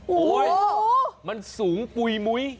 โอ้โหมันสูงปุ๋ย